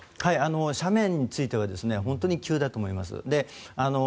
斜面については本当に急だと思います。